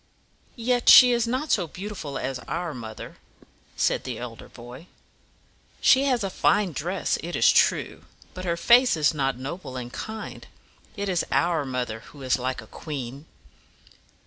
"Yet she is not so beautiful as our mother," said the elder boy. "She has a fine dress, it is true; but her face is not noble and kind. It is our mother who is like a queen."